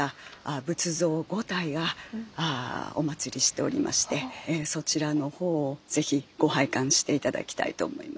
仏像５体がおまつりしておりましてそちらの方を是非ご拝観して頂きたいと思います。